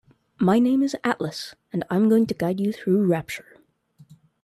My name is Atlas and I'm going to guide you through Rapture.